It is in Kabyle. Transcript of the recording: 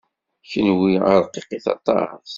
Kenwi rqiqit aṭas.